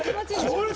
これ